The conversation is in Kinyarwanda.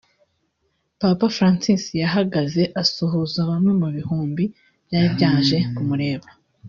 Papa Francis yahagaze asuhuza bamwe mu bihumbi byari byaje kumureba